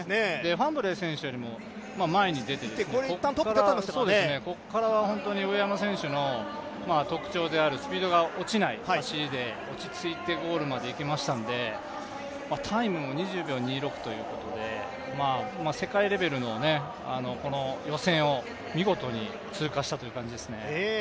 ファンブレー選手よりも前に出て、ここから上山選手の特徴であるスピードが落ちない走りで落ち着いてゴールまで行けましたんで、タイムも２０秒２６ということで世界レベルの予選を、見事に通過したという感じですね。